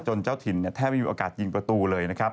เจ้าถิ่นแทบไม่มีโอกาสยิงประตูเลยนะครับ